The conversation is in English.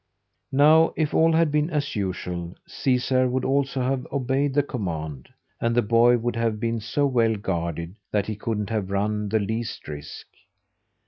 Now if all had been as usual, Caesar would also have obeyed the command, and the boy would have been so well guarded that he couldn't have run the least risk.